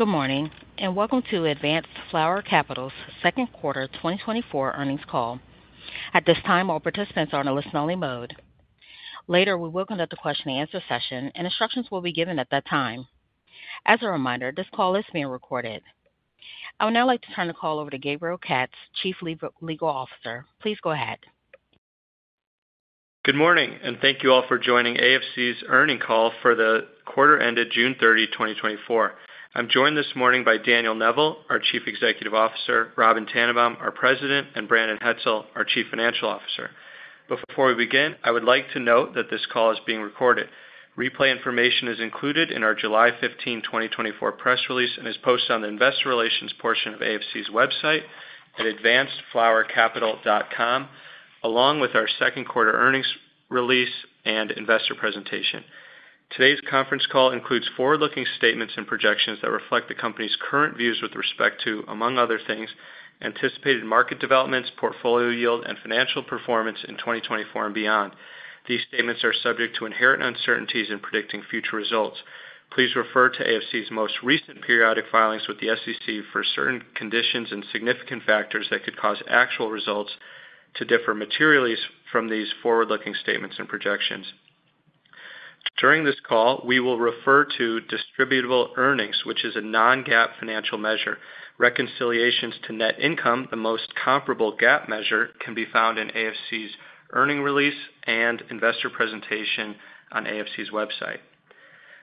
Good morning, and welcome to Advanced Flower Capital's second quarter 2024 earnings call. At this time, all participants are in a listen-only mode. Later, we will conduct a question-and-answer session, and instructions will be given at that time. As a reminder, this call is being recorded. I would now like to turn the call over to Gabriel Katz, Chief Legal Officer. Please go ahead. Good morning, and thank you all for joining AFC's earnings call for the quarter ended June 30, 2024. I'm joined this morning by Daniel Neville, our Chief Executive Officer, Robyn Tannenbaum, our President, and Brandon Hetzel, our Chief Financial Officer. Before we begin, I would like to note that this call is being recorded. Replay information is included in our July 15, 2024, press release and is posted on the investor relations portion of AFC's website at afcgamma.com, along with our second quarter earnings release and investor presentation. Today's conference call includes forward-looking statements and projections that reflect the company's current views with respect to, among other things, anticipated market developments, portfolio yield, and financial performance in 2024 and beyond. These statements are subject to inherent uncertainties in predicting future results. Please refer to AFC's most recent periodic filings with the SEC for certain conditions and significant factors that could cause actual results to differ materially from these forward-looking statements and projections. During this call, we will refer to distributable earnings, which is a non-GAAP financial measure. Reconciliations to net income, the most comparable GAAP measure, can be found in AFC's earnings release and investor presentation on AFC's website.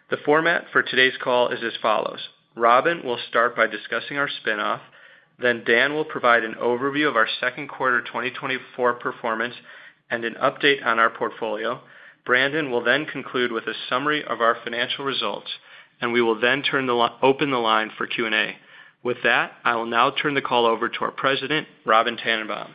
The format for today's call is as follows: Robyn will start by discussing our spin-off, then Dan will provide an overview of our second quarter 2024 performance and an update on our portfolio. Brandon will then conclude with a summary of our financial results, and we will then open the line for Q&A. With that, I will now turn the call over to our President, Robyn Tannenbaum.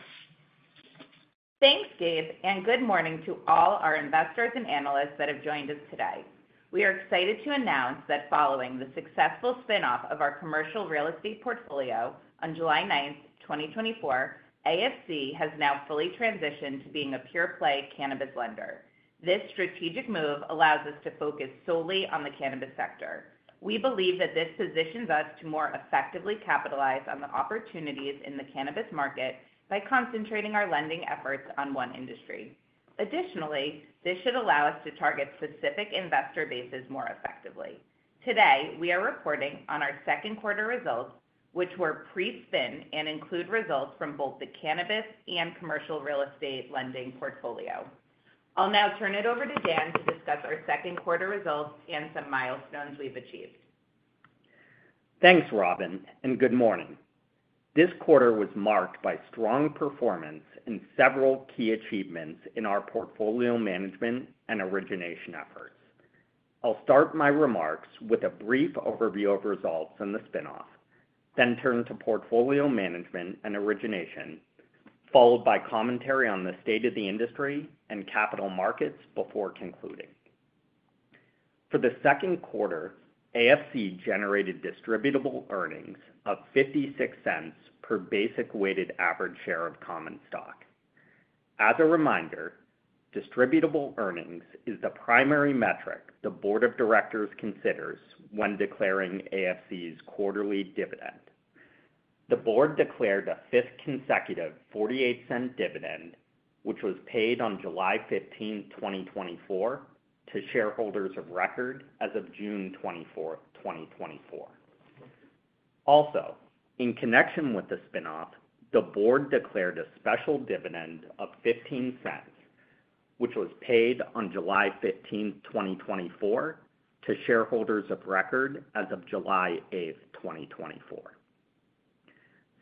Thanks, Gabe, and good morning to all our investors and analysts that have joined us today. We are excited to announce that following the successful spin-off of our commercial real estate portfolio on July 9, 2024, AFC has now fully transitioned to being a pure-play cannabis lender. This strategic move allows us to focus solely on the cannabis sector. We believe that this positions us to more effectively capitalize on the opportunities in the cannabis market by concentrating our lending efforts on one industry. Additionally, this should allow us to target specific investor bases more effectively. Today, we are reporting on our second quarter results, which were pre-spin and include results from both the cannabis and commercial real estate lending portfolio. I'll now turn it over to Dan to discuss our second quarter results and some milestones we've achieved. Thanks, Robyn, and good morning. This quarter was marked by strong performance and several key achievements in our portfolio management and origination efforts. I'll start my remarks with a brief overview of results from the spin-off, then turn to portfolio management and origination, followed by commentary on the state of the industry and capital markets before concluding. For the second quarter, AFC generated distributable earnings of $0.56 per basic weighted average share of common stock. As a reminder, distributable earnings is the primary metric the board of directors considers when declaring AFC's quarterly dividend. The board declared a fifth consecutive $0.48 dividend, which was paid on July 15, 2024, to shareholders of record as of June 24, 2024. Also, in connection with the spin-off, the board declared a special dividend of $0.15, which was paid on July 15, 2024, to shareholders of record as of July 8, 2024.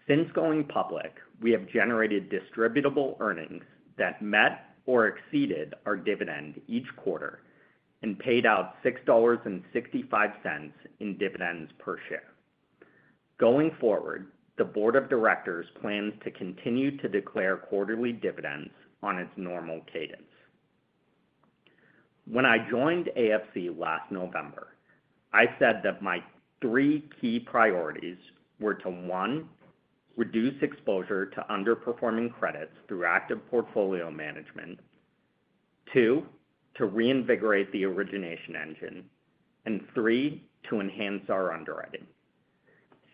Since going public, we have generated distributable earnings that met or exceeded our dividend each quarter and paid out $6.65 in dividends per share. Going forward, the board of directors plans to continue to declare quarterly dividends on its normal cadence. When I joined AFC last November, I said that my three key priorities were to: One, reduce exposure to underperforming credits through active portfolio management, Two, to reinvigorate the origination engine. And three, to enhance our underwriting.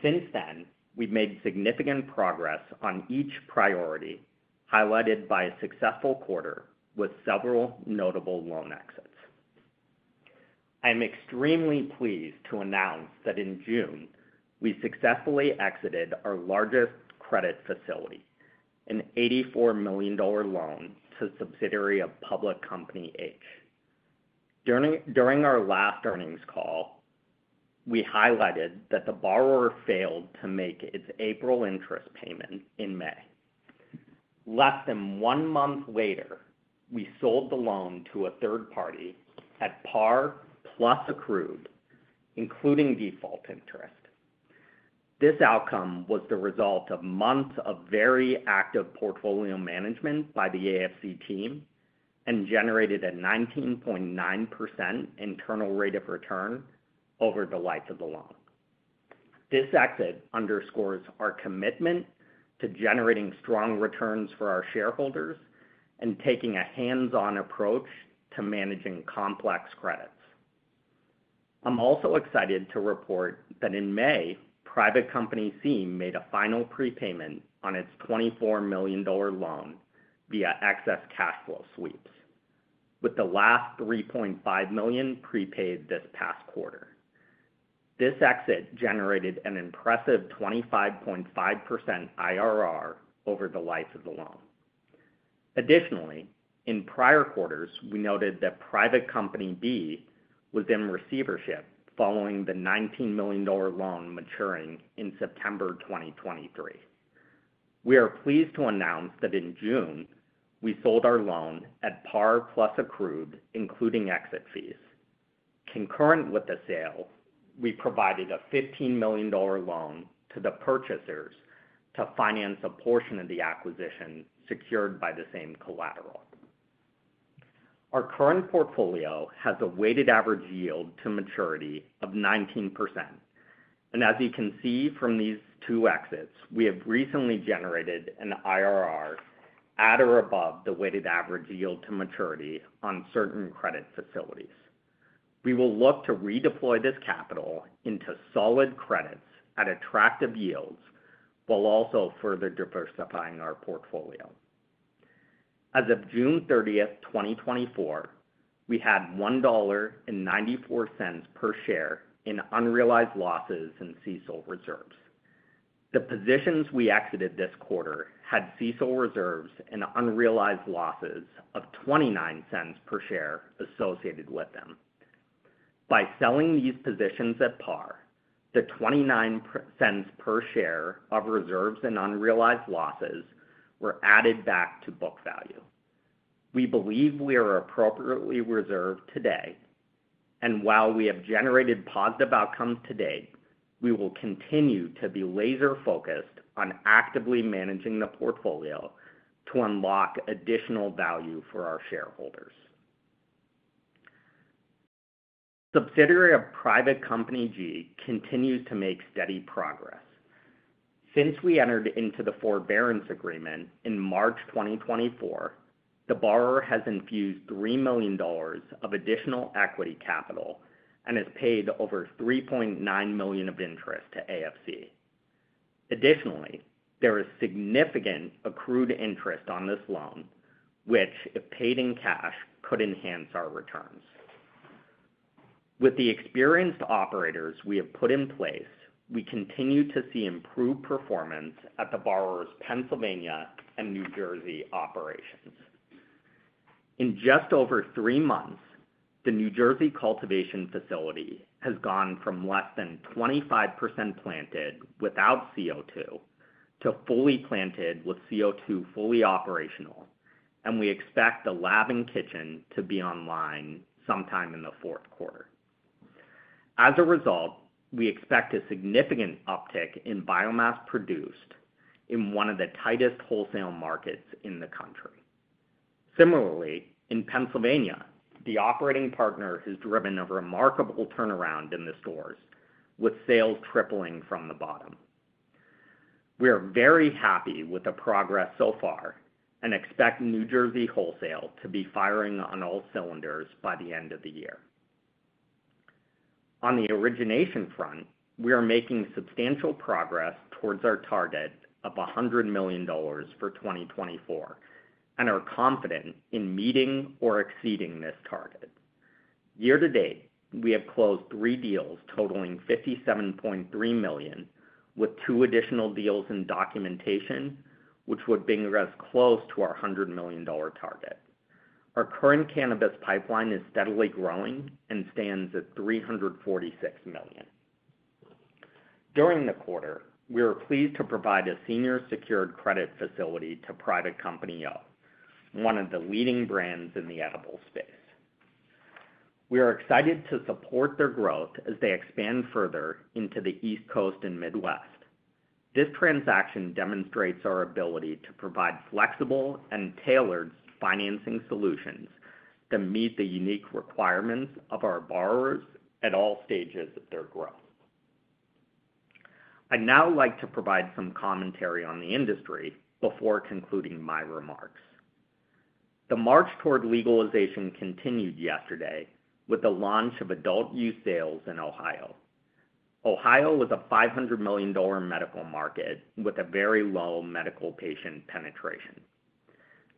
Since then, we've made significant progress on each priority, highlighted by a successful quarter with several notable loan exits. I'm extremely pleased to announce that in June, we successfully exited our largest credit facility, an $84 million loan to a subsidiary of public company H. During our last earnings call, we highlighted that the borrower failed to make its April interest payment in May. Less than one month later, we sold the loan to a third party at par plus accrued, including default interest. This outcome was the result of months of very active portfolio management by the AFC team and generated a 19.9% internal rate of return over the life of the loan. This exit underscores our commitment to generating strong returns for our shareholders... and taking a hands-on approach to managing complex credits. I'm also excited to report that in May, private company C made a final prepayment on its $24 million loan via excess cash flow sweeps, with the last $3.5 million prepaid this past quarter. This exit generated an impressive 25.5% IRR over the life of the loan. Additionally, in prior quarters, we noted that private company B was in receivership following the $19 million loan maturing in September 2023. We are pleased to announce that in June, we sold our loan at par plus accrued, including exit fees. Concurrent with the sale, we provided a $15 million loan to the purchasers to finance a portion of the acquisition secured by the same collateral. Our current portfolio has a weighted average yield to maturity of 19%, and as you can see from these two exits, we have recently generated an IRR at or above the weighted average yield to maturity on certain credit facilities. We will look to redeploy this capital into solid credits at attractive yields, while also further diversifying our portfolio. As of June 30, 2024, we had $1.94 per share in unrealized losses in CECL reserves. The positions we exited this quarter had CECL reserves and unrealized losses of $0.29 per share associated with them. By selling these positions at par, the $0.29 per share of reserves and unrealized losses were added back to book value. We believe we are appropriately reserved today, and while we have generated positive outcomes today, we will continue to be laser focused on actively managing the portfolio to unlock additional value for our shareholders. Subsidiary of private company G continues to make steady progress. Since we entered into the forbearance agreement in March 2024, the borrower has infused $3 million of additional equity capital and has paid over $3.9 million of interest to AFC. Additionally, there is significant accrued interest on this loan, which, if paid in cash, could enhance our returns. With the experienced operators we have put in place, we continue to see improved performance at the borrower's Pennsylvania and New Jersey operations. In just over 3 months, the New Jersey cultivation facility has gone from less than 25% planted without CO2, to fully planted with CO2 fully operational, and we expect the lab and kitchen to be online sometime in the fourth quarter. As a result, we expect a significant uptick in biomass produced in one of the tightest wholesale markets in the country. Similarly, in Pennsylvania, the operating partner has driven a remarkable turnaround in the stores, with sales tripling from the bottom. We are very happy with the progress so far and expect New Jersey wholesale to be firing on all cylinders by the end of the year. On the origination front, we are making substantial progress towards our target of $100 million for 2024 and are confident in meeting or exceeding this target. Year to date, we have closed three deals totaling $57.3 million, with two additional deals in documentation, which would bring us close to our $100 million target. Our current cannabis pipeline is steadily growing and stands at $346 million. During the quarter, we were pleased to provide a senior secured credit facility to Private Company O, one of the leading brands in the edibles space. We are excited to support their growth as they expand further into the East Coast and Midwest. This transaction demonstrates our ability to provide flexible and tailored financing solutions that meet the unique requirements of our borrowers at all stages of their growth. I'd now like to provide some commentary on the industry before concluding my remarks. The march toward legalization continued yesterday with the launch of adult use sales in Ohio. Ohio was a $500 million medical market with a very low medical patient penetration.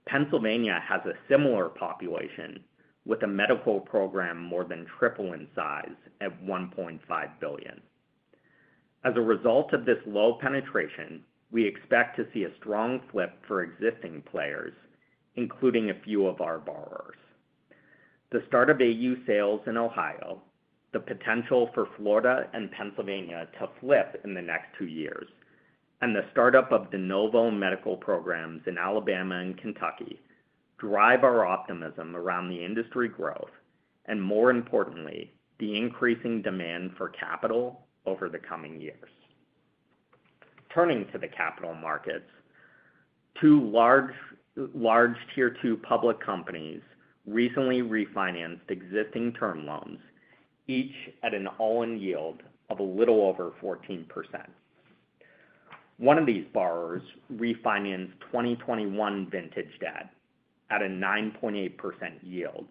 Pennsylvania has a similar population, with a medical program more than triple in size at $1.5 billion. As a result of this low penetration, we expect to see a strong flip for existing players, including a few of our borrowers. The start of AU sales in Ohio, the potential for Florida and Pennsylvania to flip in the next 2 years, and the startup of de novo medical programs in Alabama and Kentucky drive our optimism around the industry growth, and more importantly, the increasing demand for capital over the coming years. Turning to the capital markets, two large, large Tier 2 public companies recently refinanced existing term loans, each at an all-in yield of a little over 14%... One of these borrowers refinanced 2021 vintage debt at a 9.8% yield,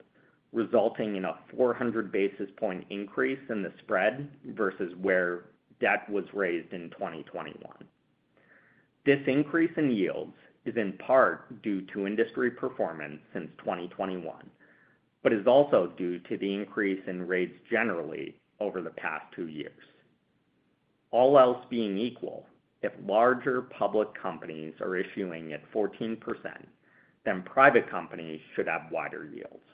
resulting in a 400 basis point increase in the spread versus where debt was raised in 2021. This increase in yields is in part due to industry performance since 2021, but is also due to the increase in rates generally over the past two years. All else being equal, if larger public companies are issuing at 14%, then private companies should have wider yields.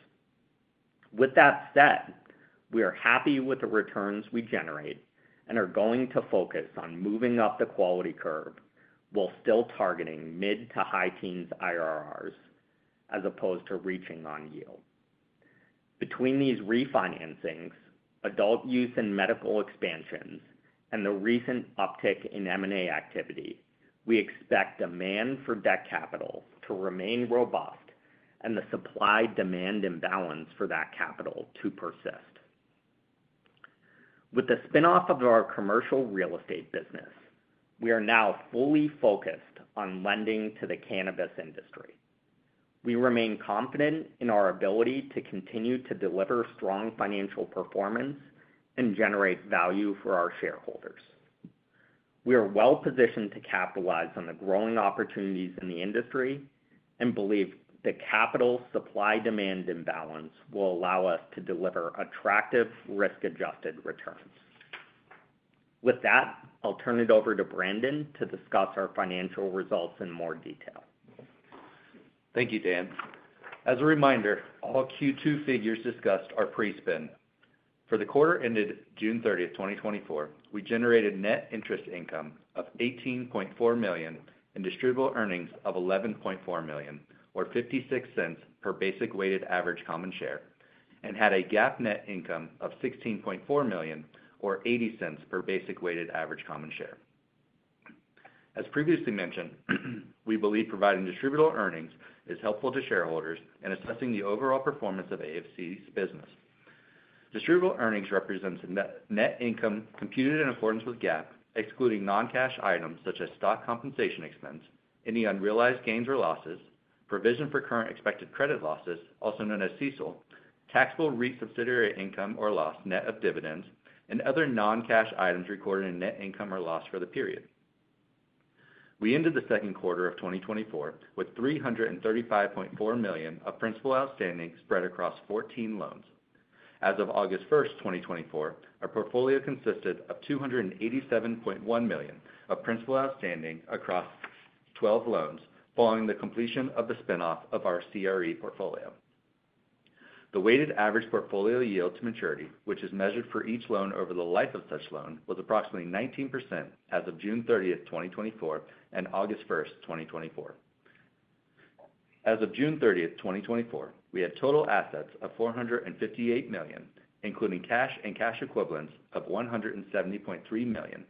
With that said, we are happy with the returns we generate and are going to focus on moving up the quality curve while still targeting mid to high teens IRRs, as opposed to reaching on yield. Between these refinancings, adult use and medical expansions, and the recent uptick in M&A activity, we expect demand for debt capital to remain robust and the supply-demand imbalance for that capital to persist. With the spin-off of our commercial real estate business, we are now fully focused on lending to the cannabis industry. We remain confident in our ability to continue to deliver strong financial performance and generate value for our shareholders. We are well-positioned to capitalize on the growing opportunities in the industry and believe the capital supply-demand imbalance will allow us to deliver attractive risk-adjusted returns. With that, I'll turn it over to Brandon to discuss our financial results in more detail. Thank you, Dan. As a reminder, all Q2 figures discussed are pre-spin. For the quarter ended June 30, 2024, we generated net interest income of $18.4 million and distributable earnings of $11.4 million, or $0.56 per basic weighted average common share, and had a GAAP net income of $16.4 million, or $0.80 per basic weighted average common share. As previously mentioned, we believe providing distributable earnings is helpful to shareholders in assessing the overall performance of AFC's business. Distributable earnings represents the net income computed in accordance with GAAP, excluding non-cash items such as stock compensation expense, any unrealized gains or losses, provision for current expected credit losses, also known as CECL, taxable REIT subsidiary income or loss net of dividends, and other non-cash items recorded in net income or loss for the period. We ended the second quarter of 2024 with $335.4 million of principal outstanding spread across 14 loans. As of August 1, 2024, our portfolio consisted of $287.1 million of principal outstanding across 12 loans, following the completion of the spin-off of our CRE portfolio. The weighted average portfolio yield to maturity, which is measured for each loan over the life of such loan, was approximately 19% as of June 30, 2024, and August 1, 2024. As of June 30, 2024, we had total assets of $458 million, including cash and cash equivalents of $170.3 million,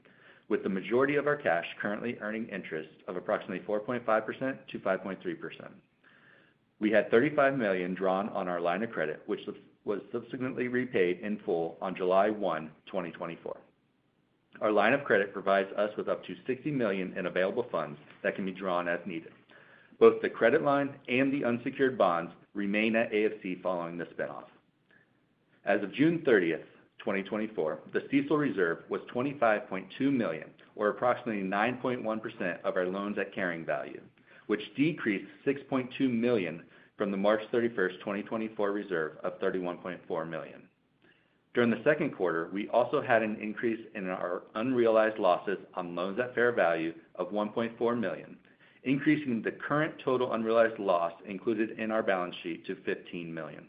with the majority of our cash currently earning interest of approximately 4.5%-5.3%. We had $35 million drawn on our line of credit, which was subsequently repaid in full on July 1, 2024. Our line of credit provides us with up to $60 million in available funds that can be drawn as needed. Both the credit line and the unsecured bonds remain at AFC following the spin-off. As of June 30, 2024, the CECL reserve was $25.2 million, or approximately 9.1% of our loans at carrying value, which decreased $6.2 million from the March 31, 2024, reserve of $31.4 million. During the second quarter, we also had an increase in our unrealized losses on loans at fair value of $1.4 million, increasing the current total unrealized loss included in our balance sheet to $15 million.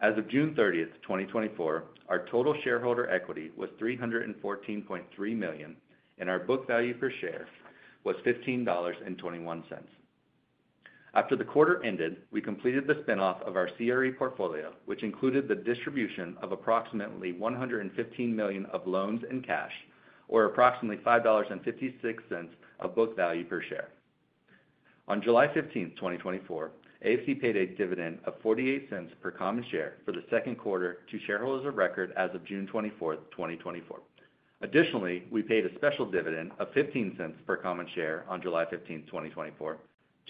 As of June 30, 2024, our total shareholder equity was $314.3 million, and our book value per share was $15.21. After the quarter ended, we completed the spin-off of our CRE portfolio, which included the distribution of approximately $115 million of loans and cash, or approximately $5.56 of book value per share. On July 15, 2024, AFC paid a dividend of $0.48 per common share for the second quarter to shareholders of record as of June 24, 2024. Additionally, we paid a special dividend of $0.15 per common share on July 15, 2024,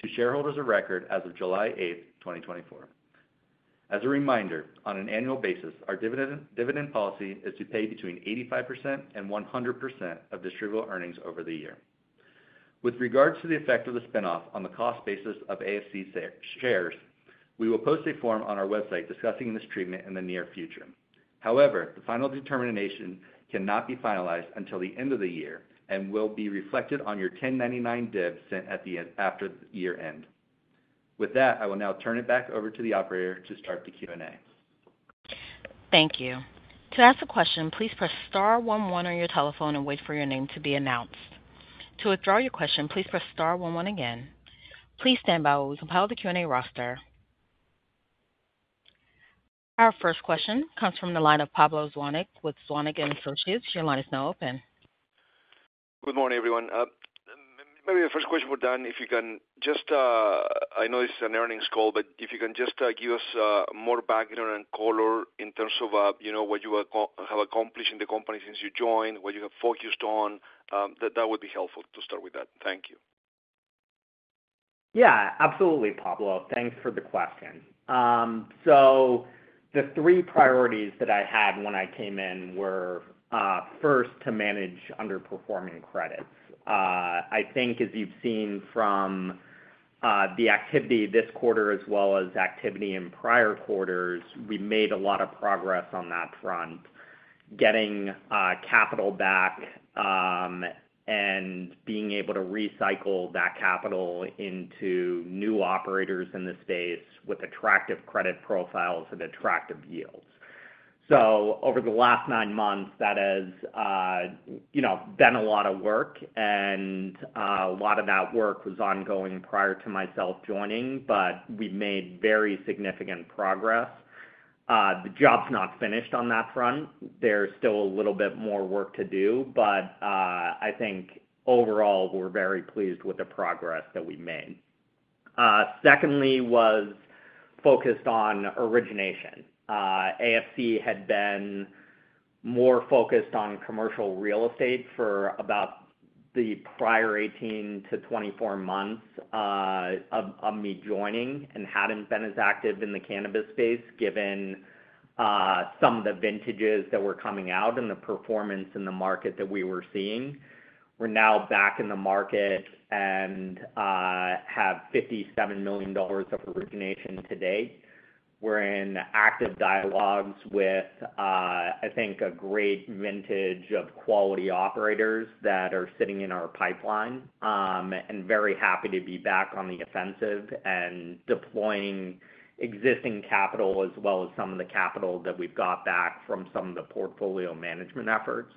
to shareholders of record as of July 8, 2024. As a reminder, on an annual basis, our dividend policy is to pay between 85% and 100% of distributable earnings over the year. With regards to the effect of the spin-off on the cost basis of AFC shares, we will post a form on our website discussing this treatment in the near future. However, the final determination cannot be finalized until the end of the year and will be reflected on your 1099-DIV sent at the end, after the year-end. With that, I will now turn it back over to the operator to start the Q&A. Thank you. To ask a question, please press star one one on your telephone and wait for your name to be announced. To withdraw your question, please press star one one again. Please stand by while we compile the Q&A roster. Our first question comes from the line of Pablo Zuanic with Zuanic & Associates. Your line is now open. Good morning, everyone.... Maybe the first question for Dan, if you can just, I know this is an earnings call, but if you can just, give us, more background and color in terms of, you know, what you have accomplished in the company since you joined, what you have focused on, that would be helpful to start with that. Thank you. Yeah, absolutely, Pablo. Thanks for the question. So the three priorities that I had when I came in were, first, to manage underperforming credits. I think as you've seen from the activity this quarter as well as activity in prior quarters, we made a lot of progress on that front. Getting capital back and being able to recycle that capital into new operators in the space with attractive credit profiles and attractive yields. So over the last nine months, that has you know been a lot of work, and a lot of that work was ongoing prior to myself joining, but we've made very significant progress. The job's not finished on that front. There's still a little bit more work to do, but I think overall, we're very pleased with the progress that we've made. Secondly, was focused on origination. AFC had been more focused on commercial real estate for about the prior 18-24 months, of me joining and hadn't been as active in the cannabis space, given some of the vintages that were coming out and the performance in the market that we were seeing. We're now back in the market and have $57 million of origination to date. We're in active dialogues with, I think, a great vintage of quality operators that are sitting in our pipeline, and very happy to be back on the offensive and deploying existing capital, as well as some of the capital that we've got back from some of the portfolio management efforts.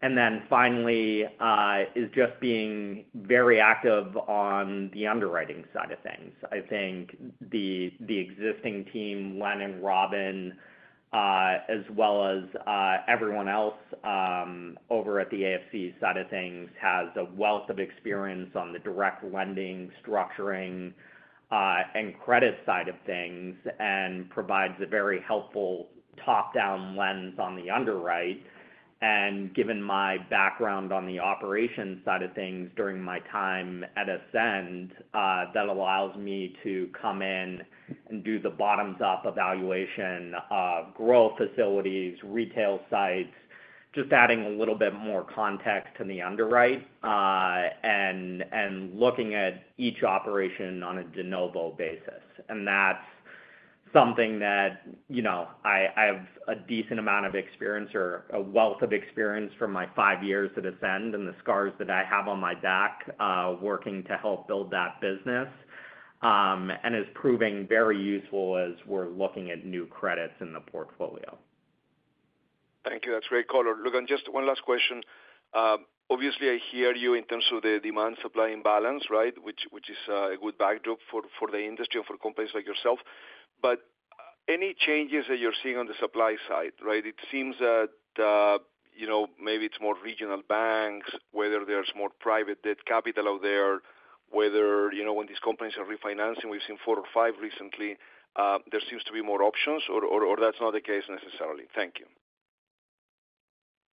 Then finally, is just being very active on the underwriting side of things. I think the existing team, Dan and Robyn, as well as everyone else over at the AFC side of things, has a wealth of experience on the direct lending, structuring, and credit side of things, and provides a very helpful top-down lens on the underwrite. Given my background on the operations side of things during my time at Ascend, that allows me to come in and do the bottoms-up evaluation of growth facilities, retail sites, just adding a little bit more context to the underwrite, and looking at each operation on a de novo basis. That's something that, you know, I have a decent amount of experience or a wealth of experience from my five years at Ascend and the scars that I have on my back, working to help build that business, and is proving very useful as we're looking at new credits in the portfolio. Thank you. That's great color. Look, just one last question. Obviously, I hear you in terms of the demand, supply and balance, right? Which is a good backdrop for the industry or for companies like yourself. But any changes that you're seeing on the supply side, right? It seems that, you know, maybe it's more regional banks, whether there's more private debt capital out there, whether, you know, when these companies are refinancing, we've seen four or five recently, there seems to be more options or that's not the case necessarily. Thank you.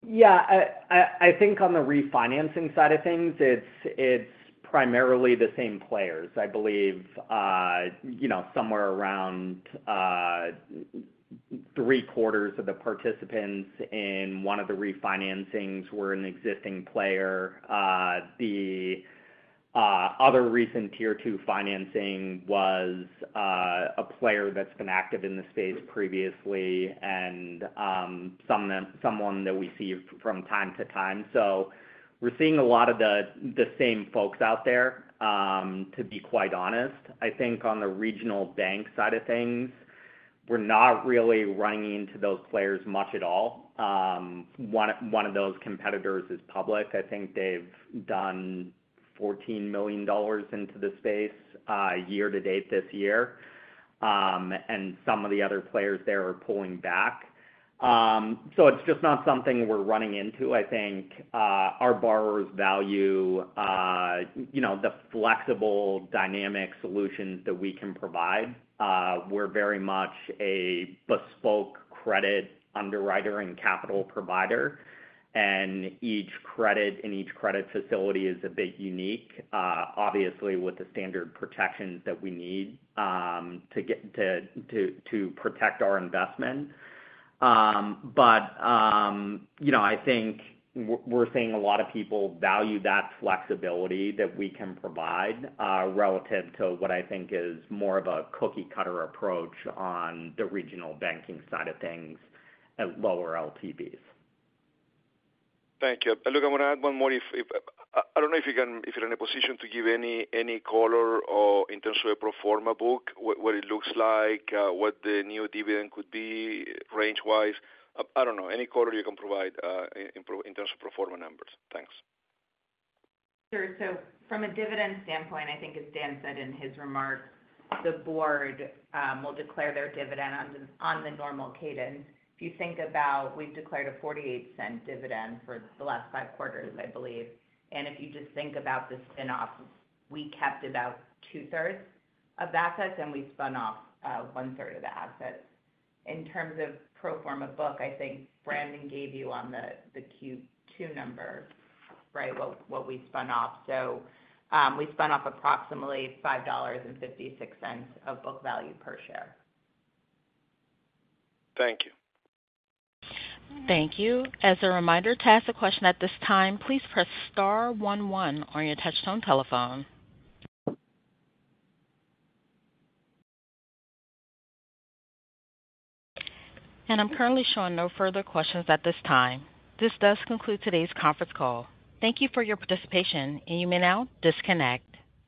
Yeah, I think on the refinancing side of things, it's primarily the same players. I believe, you know, somewhere around three-quarters of the participants in one of the refinancings were an existing player. The other recent Tier Two financing was a player that's been active in the space previously and someone that we see from time to time. So we're seeing a lot of the same folks out there, to be quite honest. I think on the regional bank side of things, we're not really running into those players much at all. One of those competitors is public. I think they've done $14 million into the space, year to date this year. And some of the other players there are pulling back. So it's just not something we're running into. I think our borrowers value, you know, the flexible dynamic solutions that we can provide. We're very much a bespoke credit underwriter and capital provider, and each credit and each credit facility is a bit unique, obviously, with the standard protections that we need to protect our investment. But you know, I think we're seeing a lot of people value that flexibility that we can provide, relative to what I think is more of a cookie-cutter approach on the regional banking side of things at lower LTVs. Thank you. And look, I want to add one more. If I don't know if you can—if you're in a position to give any color in terms of a pro forma book, what it looks like, what the new dividend could be range-wise. I don't know, any color you can provide in terms of pro forma numbers. Thanks. Sure. So from a dividend standpoint, I think as Dan said in his remarks, the board will declare their dividend on the normal cadence. If you think about, we've declared a 48-cent dividend for the last five quarters, I believe. And if you just think about the spin-off, we kept about two-thirds of the assets, and we spun off one-third of the assets. In terms of pro forma book, I think Brandon gave you on the Q2 number, right, what we spun off. So, we spun off approximately $5.56 of book value per share. Thank you. Thank you. As a reminder, to ask a question at this time, please press star one one on your touchtone telephone. I'm currently showing no further questions at this time. This does conclude today's conference call. Thank you for your participation, and you may now disconnect.